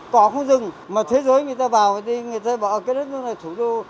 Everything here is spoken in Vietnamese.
cỏ không dừng mà thế giới người ta vào người ta bảo cái đất nước này thủ đô